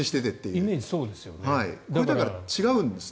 イメージはそうですよね。